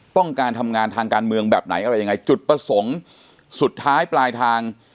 ต้องการทำงานทางการเมืองแบบไหนอะไรยังไงจุดประสงค์สุดท้ายปลายทาง